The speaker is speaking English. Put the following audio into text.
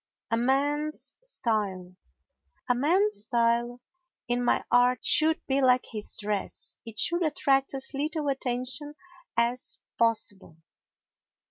A Man's Style A man's style in any art should be like his dress—it should attract as little attention as possible.